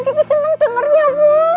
kiki senang dengarnya bu